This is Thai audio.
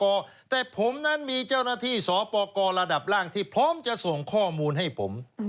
แต่ผมนั้นมีเจ้าหน้าที่สปกรระดับล่างที่พร้อมจะส่งข้อมูลให้ผม